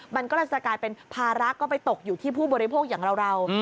มันก็เลยจะกลายเป็นภาระก็ไปตกอยู่ที่ผู้บริโภคอย่างเรา